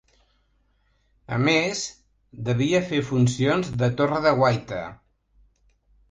A més, devia fer funcions de torre de guaita.